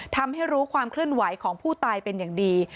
ทำให้รู้ความเคลื่อนไหวของผู้ตายเป็นอย่างดี